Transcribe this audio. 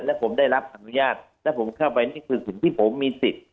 และผมได้รับอนุญาตแล้วผมเข้าไปนี่คือสิ่งที่ผมมีสิทธิ์